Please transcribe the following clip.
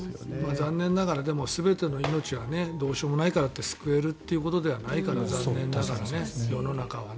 残念ながら全ての命はどうしようもないから救えるということではないから残念ながら、世の中はね。